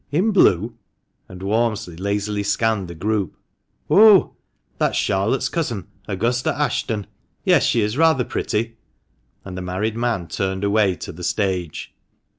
"In blue?" And Walmsley lazily scanned the group. "Oh! that's Charlotte's cousin, Augusta Ashton ! Yes, she is rather pretty ;" and the married man turned away to the stage.